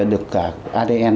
được cả adn